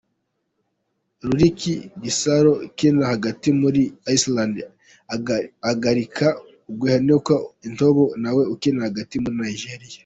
Rurik Gislaso ukina hagati muri Iceland agarika Oghenekaro Etebo nawe ukina hagati muri Nigeria .